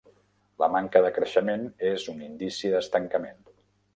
La manca de creixement és un indici d'estancament.